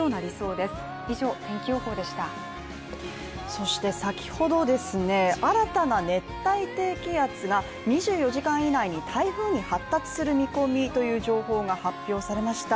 そして、先ほど新たな熱帯低気圧が２４時間以内に台風に発達する見込みという情報が発表されました。